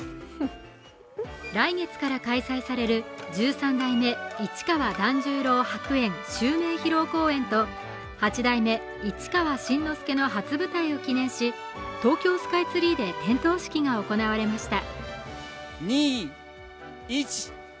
来月から開催される十三代目市川團十郎白猿襲名披露公演と８代目、市川新之助の初舞台を記念し東京スカイツリーで点灯式が行われました。